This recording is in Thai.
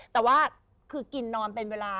แต่ว่าคือกินนอนเป็นเวลา